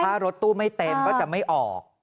ถ้ารถตู้ไม่เต็มก็จะไม่ออก